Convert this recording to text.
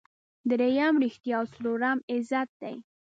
دریم ریښتیا او څلورم عزت دی.